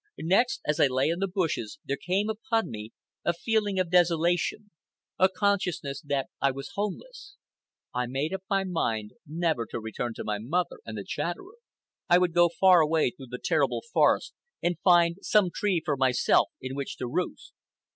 Next, as I lay in the bushes, there came upon me a feeling of desolation, a consciousness that I was homeless. I made up my mind never to return to my mother and the Chatterer. I would go far away through the terrible forest, and find some tree for myself in which to roost.